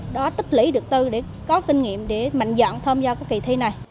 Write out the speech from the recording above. đó tích lý được tôi để có kinh nghiệm để mạnh dọn tham gia kỳ thi này